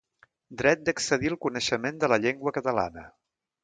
Dret d’accedir al coneixement de la llengua catalana.